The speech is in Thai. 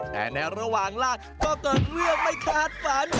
แต่ในระหว่างล่าก็เกิดเรื่องไม่คาดฝัน